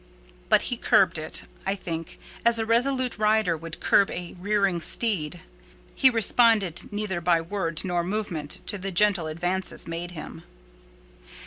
But he curbed it, I think, as a resolute rider would curb a rearing steed. He responded neither by word nor movement to the gentle advances made him.